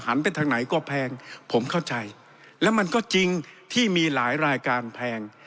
ไปทางไหนก็แพงผมเข้าใจแล้วมันก็จริงที่มีหลายรายการแพง